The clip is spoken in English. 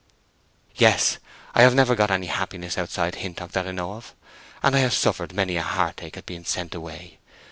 "Yes. I have never got any happiness outside Hintock that I know of, and I have suffered many a heartache at being sent away.